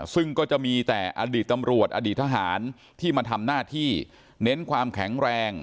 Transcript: ซึ่งก็จะมีแต่อดีตตำรวจอดีตทหารที่มาทำหน้าที่เน้นความแข็งแรง